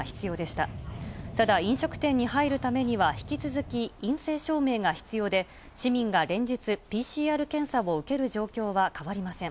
ただ、飲食店に入るためには、引き続き陰性証明が必要で、市民が連日、ＰＣＲ検査を受ける状況は変わりません。